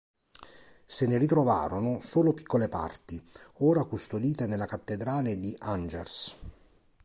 Se ne ritrovarono solo piccole parti, ora custodite nella cattedrale di Angers.